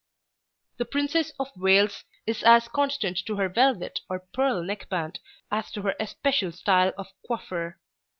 The Princess of Wales is as constant to her velvet or pearl neck band, as to her especial style of coiffure.